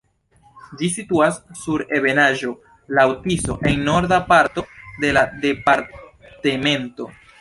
Ĝi situas sur ebenaĵo laŭ Tiso en la norda parto de la departemento.